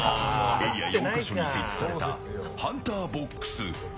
エリア４か所に設置されたハンターボックス。